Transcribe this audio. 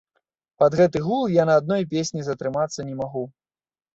Пад гэты гул я на адной песні затрымацца не магу.